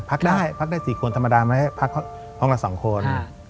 พักได้๔คนธรรมดาไม่ได้พักห้องละ๒คน